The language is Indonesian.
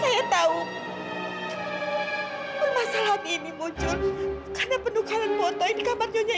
saya tahu masalah ini muncul karena penukaran foto di kamarnya itu kan ya